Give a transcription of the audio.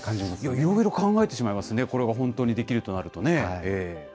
いろいろ考えてしまいますね、これは本当にできるとなるとね。